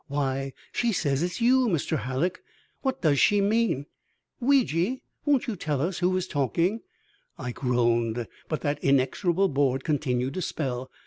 "Why, she says it's you, Mr. Hallock. What does she mean? Ouija, won't you tell us who is talking?" I groaned, but that inexorable board continued to spell.